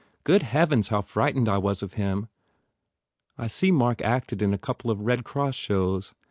Good heavens how frightened I was of him ! I see that Mark acted in a couple of Red Cross shows?